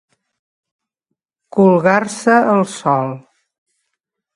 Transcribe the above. Colgar-se el sol.